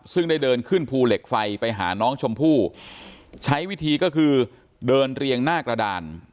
ซึ่งได้เดินขึ้นภูเหล็กไฟไปหาน้องชมพู่ใช้วิธีก็คือเดินเรียงหน้ากระดาน